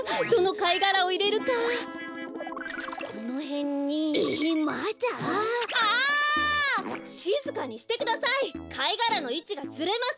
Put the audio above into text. かいがらのいちがずれます！